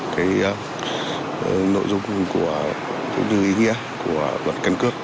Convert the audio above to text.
cái nội dung cũng như ý nghĩa của luật căn cước